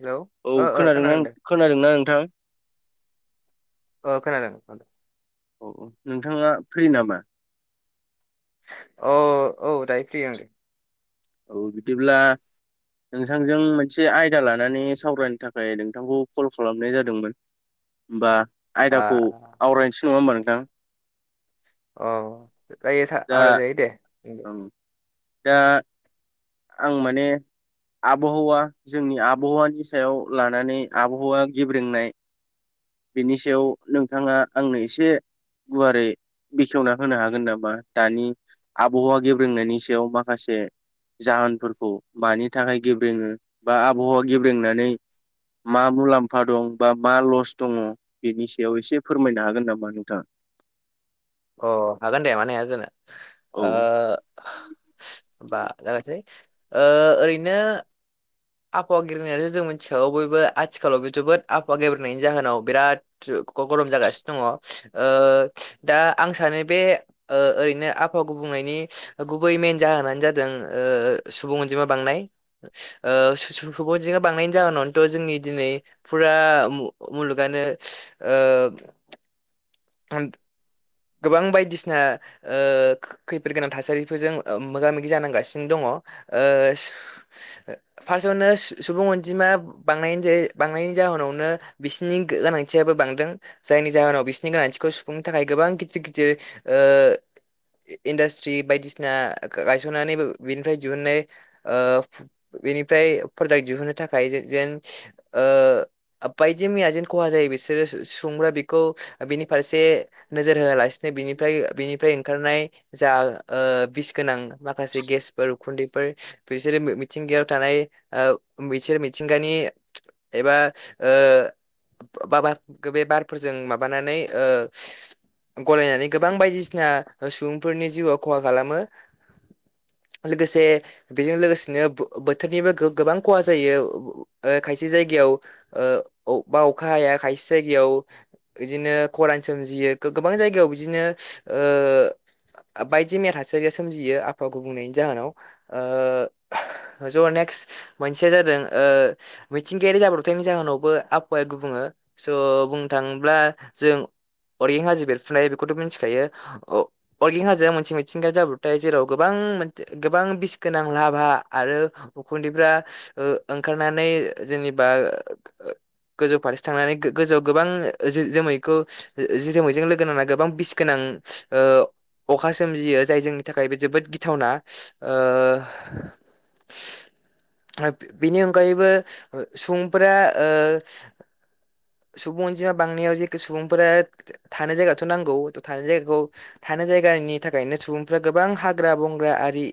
Hello औ ओ ओ खोनादोंना खोनादों दे खोनादोंना नोंथां? ओ खोनादों नोंथाङा फ्रि नामा? अ औ दायो फ्रि ओं औ बिदिब्ला नोंथांजों मोनसे आयदा लानानै सावरायनो थाखाय नोंथांखौ कल खालामनाय जादोंमोन होमबा आ आयदाखौ आवरायसै नङा होमबा नोंथां? अ जायो सा दा आवराय जायो दे ओं दा आं माने आबहावा जोंनि आबहावानि सायाव लानानै आबहावा गेब्रेंनाय बेनि सायाव नोंथाङा आंनो एसे गुवारै बेखेवना होनो हागोन नामा दानि आबहावा गेब्रोंनायनि सायाव माखासे जाहोनफोरखौ मानि थाखाय गेब्रेङो बा आबहावा गेब्रेंनानै मा मुलाम्फा दं बा मा लस दङ बेनि सायाव एसे फोरमायनो हागोन नामा नोंथाङा? अ हागोन दे मानो हाया जानो औ ओ होमबा जागायसै ओ ओरैनो आबहावा गब्रेंनायाथ जों मिथिखागौ बयबो आथिखालावबे जोबोद आबहावा गब्रेंनायनि जाहोनाव बिराद जु ग-गरम जागासिनो दङ ओ दा आं सानो बे ओ ओरैनो आबहावा गुबुं नायनि गुबै मेन जाहोनानो जादों ओ सुबुं अनजिमा बांनाय ओ सु-सुबुं अनजिमा बांनायनि जाहोनावनोथ' जोंनि दिनै फुरा मु-मुलुगानो ओ गोबां बायदिसिना ओ खै फोद गोनां थासारिफोरजों ओ मोगा मोगि जानांगासिनो दङ ओ फासावनो ओ सु सुबुं अनजिमा बांनायनि जे बांनायनि जाहोनावनो बिसिनि गोनांथियाबो बांदों। जायनि जाहोनाव बिसिनि गोनांथिखौ सुफुंनो थाखाय गोबां गिदिर गिदिर ओ‌ इन्डास्ट्रि बायदिसिना गायसननानै बे बेनिफ्राय दिहुन्नाय ओ बेनिफ्राय प्रडाक्ट दिहुननो थाखाय जेन ओ बायदि मैया जेन खहा जायो बिसोरो सु सुंग्रा बेखौ बिनि फारसे नोजोर होआलासेनो बेनिफ्राय बेनिफ्राय ओंखारनाय जा ओ बिस गोनां माखासे गेसफोर खुन्दैफोर बिसोरो मिथिंगायाव थानाय ओ बिसोर मिथिंगानि एबा ओ बाबा बे बारफोरजों माबानानै ओ गलायनानै गोबां बायदिसिना सुबुंफोरनि जिउआव खहा खालामो। लोगोसे बेजों लोगोसेनो बो बोथोरनिबो गो गोबां खहा जायो ओ खायसे जायगायाव औ ओ अबबा अखा हाया खायसे जायगायाव बिदिनो खरान सोमजियो। गो गोबां जायगायाव बिदिनो ओ बायदि मैया थासारिया सोमजियो आफावा गुबुंनायनि जाहोनाव ओ ज' अनेक मोनसेया जादों ओ मिथिंगायारि जाब्रथायनि जाहोनावबो आबहावाया गुबुङो स ओ बुंनो थाङोब्ला जों अरगें हाजो बेरफ्रुनाय बेखौथ' मिथिखायो अ अरगें हाजोआ मोनसे मिथिंगायारि जाब्रथाय जेराव गोबां गोबां बिस गोनां लाभा आरो उखुन्दैफ्रा ओ ओंखारनानै [unintelligible] जेनेबा गोजौ फारसे थांनानै गोजौआव गोबां जों जोमैखौ जो जोमैजों लोगो नांना गोबां बिस गोनां ओ अखा सोमजियो जाय जोंनि थाखाय बे जोबोद गिथावना [unintelligible] बिनि अनगायैबो सुबुंफोरा ओ सुबुं अनजिमा बांनायाव जेखो सुबुंफोरा थानाय जायगाथ' नांगौ थानाय जायगाखौ थानाय जायगानि थाखायनो सुबुंफ्रा गोबां हाग्रा बं संग्रा आरि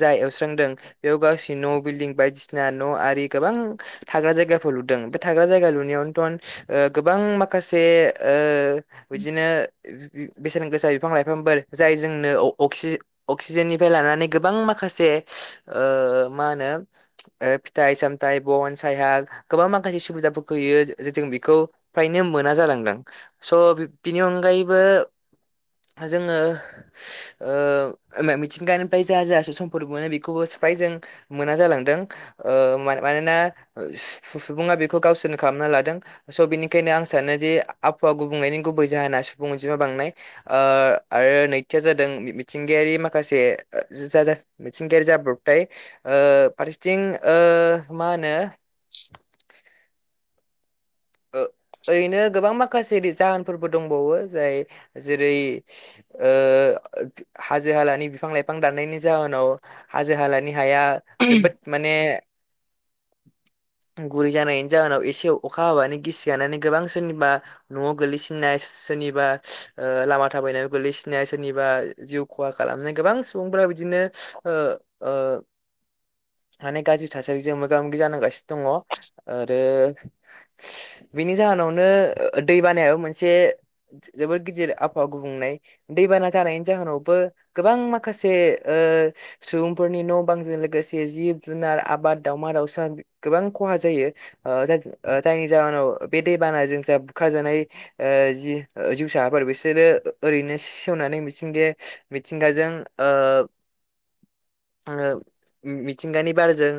जा एवस्रांदों बेयाव गावसिनि न' बिल्डिं बायदिसिना न आरि गोबां थाग्रा जायगाफोर लुदों बे थाग्रा जायगा लुनायावनोथ' गोबां माखासे ओ बिदिनो बेसेन गोसा बिफां लाइफांफोर जाय जोंनो अक्सिजेननिफ्राय लानानै गोबां माखासे माखासे ओ मा होनो ओ फिथाइ सामथाइ बन सायहाग गोबां माखासे सुबिदाफोरखौ होयो जों बेखौ फ्रायनो मोना जालांदों स बिनि अनगायैबो जोङो ओ मिथिंगानिफ्राय जा जा सो सम्पद मोनो बेखौबो स फ्राय जों मोना जालांदों ओ मानोना सुबुङा बेखौ गावसोरनो खालाम लादों स बेनिखायनो आं सानो दि आब हावा गुबुंनायनि गुबै जाहोना सुबुं अनजिमा बांनाय ओ आरो नैथिया जादों मिथिंगायारि माखासे मिथिंगायारि जाब्रबथाय फारसेथिं ओ मा होनो [unintelligible] औ ओरैनो गोबां माखासे जाहोनफोरबो दंबावो जाय जेरै ओ हाजो हालानि बिफां लाइफां दाननायनि जाहोनाव हाजो हालानि हिया जोबोद माने गुरै जानायनि जाहोनाव एसे अखा हाबानि गिसि गानानै गोबां सोरनिबा न'आव गोग्लैसिननाय सोरनिबा ओ लामा थाबायनाय गोल्लैसिननाय सोरनिबा जिउ खहा खालामनाय गोबां सुबुंफोरा बिदिनो हो ओ माने गाज्रि थासारिजों मो मोगा मोगि जानांगासिनो दङ आरो बिनि जाहोनावनो दै बाना माने माबा मोनसे जोबोद गिदिर आबहावा गुबुंनाय दैबाना जानायनि जाहोनावबो गोबां गोबां माखासे ओ सुबुंफोरनि न' बांजों लोगोसे जिब जुनार आबाद दावमा दावउ सा गोबां खहा जायो ओ जाज ओ जायनि जाहोनाव बे दैबाना जों जा बुखार जानाय ओ जि ओ जिउसाफोर बिसोरो ओ-ओरैनो सेवनानै मिथिंगाया मिथिंगाजो ओं ओ ओंओ मि-मिथिंगानि बारजों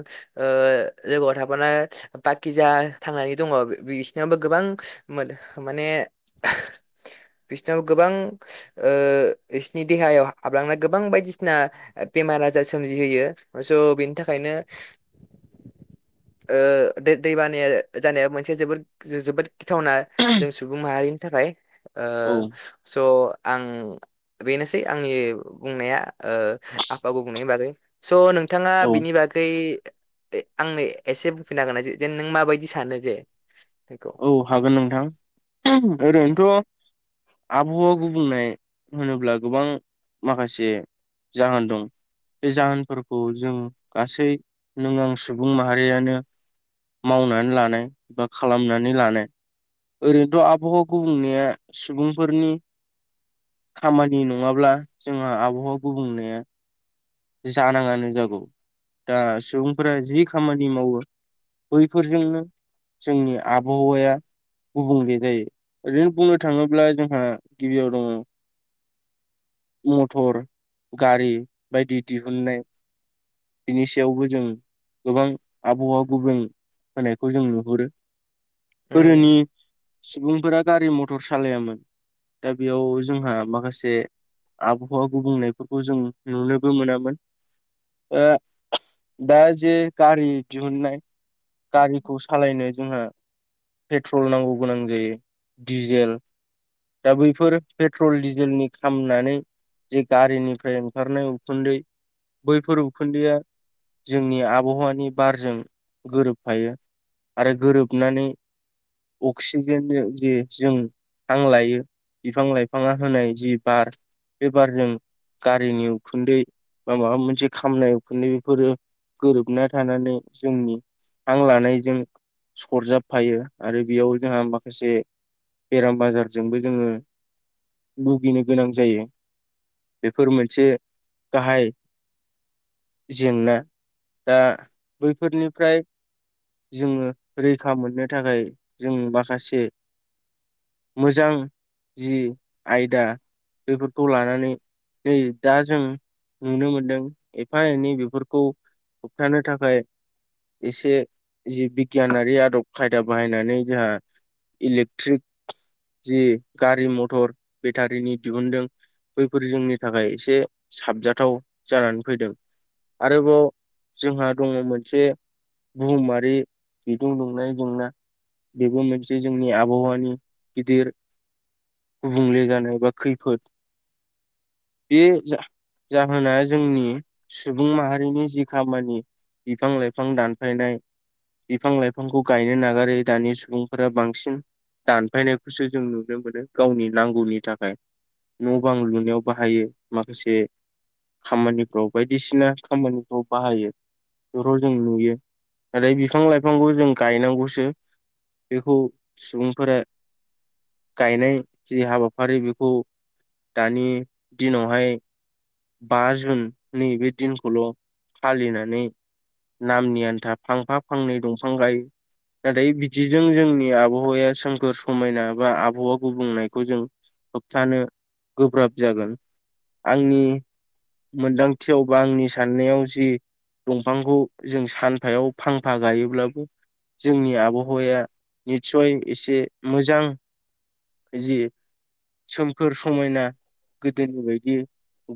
ओ लोगोआव थाफानाय बाकिजा थांनानै दंङ बि-बिसनावबो गोबां मोन-माने [unintelligible] बिसनाव गोबां ओ बिसनि देहायाव हा-हाबलांनाय गोबां बायदिसिना ओ बेमार आजार सोमजिहोयो स बेनि थाखायनो ओ दो-दैबानाया जानाया मोनसे जोबोद जोबोद गिथावना जों सुबुं माहारिनि थाखाय औ हाय ओ स आं बेनोसै आंनि बुंनाया ओ आफाखौ बुंनायनि बागै स' नों थांआ औ बिनि बागै ए आंनो एसे बुंफिना होनाय जे-जेन नों माबायदि सानो जे बेखौ औ हागोन नोंथां ओम उम ओरैनोथ' आबुहाआव गुबुंनाय होनोब्ला गोबां माखासे जाहोन दं बे जाहोनफोरखौ जों गासै नों आं सुबुं माहारियानो मावनानो लानो बा खालाम ना नै लानो ओरैनोथ आबुबो बुंनेया सुबुंफोरनि खामानि नंङाब्ला जोंहा आबहुबो गुबुंनाया जानाङानो जागौ दा सुबुंफोरा जि खामानि मावो बैफोरनिनो जोंनि आबुहुवाया गुबुंले जायो ओरैनो बुंओ थाङोब्ला जोंहा गिबियाव दङो मथर गारि बायदि दिहुननाय बिनि सायावबो जों गोबां आबुवा गुबुं होनायखौ जों नुहुरो। गोदोनि उम सुबुंफोरा गारि मथर सालेयामोन दा बेयाव जोंहा माखासे आबहुवा गुबुंनायफोरखौ जों नुनोबो मोनामोन ओआ दा जे गारि दिहुननाय गारिखौ सालायनो जोंहा पेट्रल नांगौ गोनां जायो दिडिजेल दा बैफोर पेट्रल डिजेलनि खामनानै जेबारिनिफ्राय ओंखारनाय उखुन्दै बैफोर उखोनन्दैआ जोंनि आब'हुवानि बारजों गोरोब फायो। आरो गोरोबनानै अक्सिजेनजों जे जों हां लायो बिफां लाइफाङा होनाय जि बार बे बारजों गारिनि उखुदै बा माबा मोनसे खामनाय उखुन्दै फोरनि गोरोबना थानानै जोंनि हां लानायजों सरजाबफायो आरो बेयाव जोंहा माखासे बेराम आजारजोंबो जोङो बुगिनो गोनां जायो बेफोर मोनसे गाहाय जेंना दा बैफोरनिफ्राय जोङो रैखा मोननो थाखाय जों माखासे मोजां जि आयदा बेफोरखौ लानानै नै दा जों नुनो मोनदों एफा एनै बेफोरखौ होबथानो थाखाय एसे जि बिगियानारि आदब खायदा बाहायनानै जोहा इलेक्ट्रिक जि गारि मथर बेटारिनि दिहुनदों बैफोर जोंनि थाखाय एसे साबजाथाव जानानै फैदों। आरोबाव जोंहा दङ मोनसे बुहुमारि बिदुं दुंनाय जेंना बेबो मोनसे जोंनि आबहावानि गिदिर गुबुंले जानाय बा खैफोद बे जा जाहोना जोंनि सुबुं माहारिनि जि खामानि। बिफां लाइफां दानफायनाय बिफां लाइफांखौ गायनो नागारै दानि सुबुंफोरा बांसिन दानफायनायखौसो जों नुनो मोनो गावनि नांगौनि थाखाय। न' बां लुनायाव बाहायो माखासे खामानिफ्राव बायदिसिना खामानिफ्राव बाहायो। [inaudible] जों नुयो नाथाय बिफां लाइफांखौ जों गायनांगौसो। बेखौ सुबुंफोरा गायनाय जि हाबाफारि खौ दानि दिनावहाय बा जुननि बे दिनखौल' फालिनानै। नामनि आन्था फांफा फांनै दंफां गायो। नाथाय बिदिजों जोंनि आबहावाया सोमखोर समायना बा आबहावा गुबुंनायखौ जों होबथानो गोब्राब जागोन आंनि मोनदांथियाव बा आंनि साननायाव जि दंफांखौ जों सानफायाव फांफा गायोब्लाबो जोंनि आबहावाया निस्सय एसे मोजां जि सोमखोर समायना गोदोनि बायदि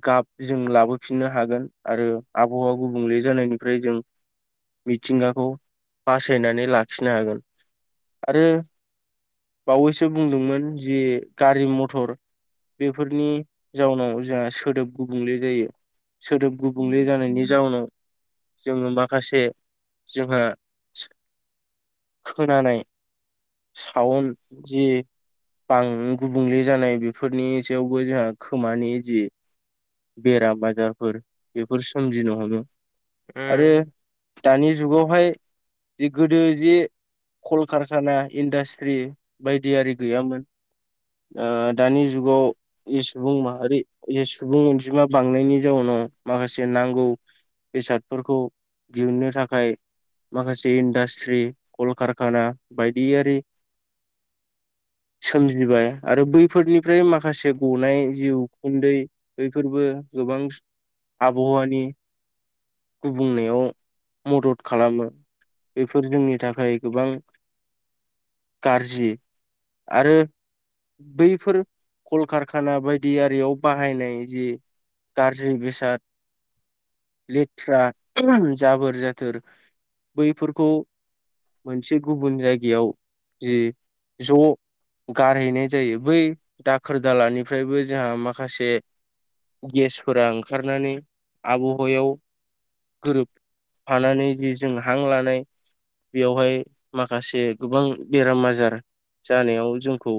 गाब जों लाबोफिननो हागोन आरो आबहावा गुबुंले जानायनिफ्राय जों मिथिंगाखौ बासायनानै लाखिनो हागोन आरो। बावैसो बुंदोंमोन जि गारि मथर। बेफोरनि जाउनाव जोंहा सोदोब गुबुंले जायो। सोदोब गुबुंले जानायनि जाउनाव जोंङो माखासे जोंहा खोनानाय साउन जि बां गुबुंले जानाय बेफोरनि सायावबो जोंहा खोमानि जि बेराम आजारफोर बेफोर सोमजिनो हमो। आरो दानि जुगावहाय जि गोदो जि कलकारखाना इन्डास्ट्रि बायदि आरि गैयामोन। ओ दानि जुगाव इ सुबुं माहारि इ सुबुं अनजिमा बांनायनि जाउनाव माखासे नांगौ बेसादफोरखौ दिहुननो थाखाय माखासे इन्डास्रि कलखारखाना बायदियारि [inaudible] सोमजिबाय आरो बैफोरनिफ्राय माखासे गनाय जि उखुन्दै बे फोरबो गोबां आबहावानि गुबुंनायाव मदद खालामो। बेफोर जोंनि थाखाय गोबां गारजि आरो बैफोर कलकारखाना बायदि आरियाव बाहायनाय जि गारजि बेसाद लेथ्रा जाबोर जाथोर बैफोरखौ मोनसे गुबुन जायगायाव जि ज' गारहैनाय जायो। बै दाखोर दालानिफ्रायबो जोंहा माखासे गेसफोरा ओंखारनानै आबाहावायाव गोरोबफानानै जि जों हां लानाय बेवहाय माखासे गोबां बेराम आजार जानायाव जोंखौ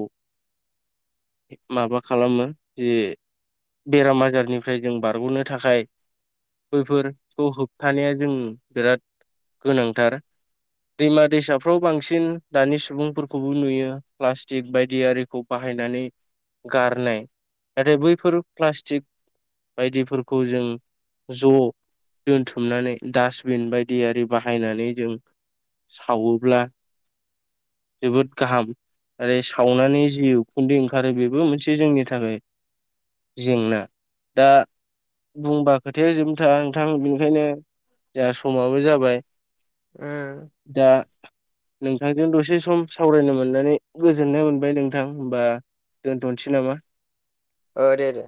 माबा खालामो जे बेराम आजारनिफ्राय जों बारग'नो थाखाय बैफोरखौ होबथानाया जों बिराद गोनांथार दैमा-दैसाफ्राव बांसिन दानि सुबुंफोरखौबो नुयो प्लास्टिक बायदि आरिखौ बाहाय बाहायनानै गारनाय नाथाय बैफोर प्लास्टिक बायदिफोरखौ जों ज' दोनथुमनानै डास्टबिन बायदि आरि बाहायनानै जों सावोब्ला जोबोद गाहाम आरो सावनानै जि उखुन्दै ओंखारो बेबो मोनसे जोंनि थाखाय जेंना दा बुंबा खोथाया जोबनो था नोंथां बेनिखायनो दा समाबो जाबाय उम दा नोंथांजों दसे सम सावरायनो मोननानै गोजोननाय मोनबाय नोंथां होमबा दोनथ'नोसै नामा ओ दे दे